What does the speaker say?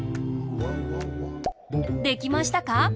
できましたか？